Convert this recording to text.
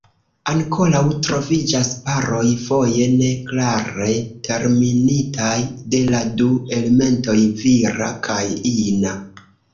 Ankoraŭ troviĝas paroj, foje ne klare determinitaj de la du elementoj vira kaj ina.